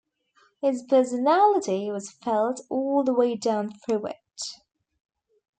His personality was felt all the way down through it.